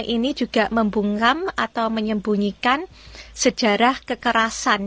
ini juga membungkam atau menyembunyikan sejarah kekerasan